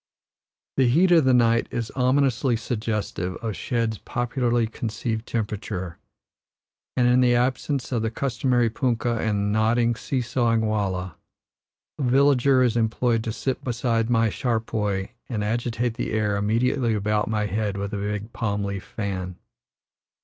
The heat of the night is ominously suggestive of shed's popularly conceived temperature, and, in the absence of the customary punkah and nodding, see sawing wallah, a villager is employed to sit beside my charpoy and agitate the air immediately about my head with a big palm leaf fan.